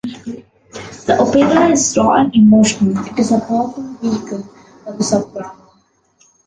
The opera is raw and emotional; it is a powerful vehicle for the soprano.